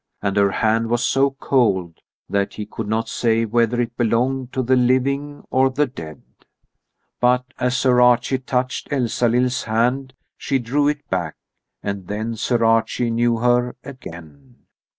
And her hand was so cold that he could not say whether it belonged to the living or the dead. But as Sir Archie touched Elsalill's hand she drew it back, and then Sir Archie knew her again.